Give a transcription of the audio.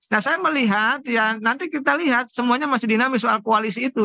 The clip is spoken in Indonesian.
nah saya melihat ya nanti kita lihat semuanya masih dinamis soal koalisi itu